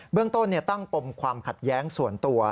เรื่องต้นตั้งปมความขัดแย้งส่วนตัว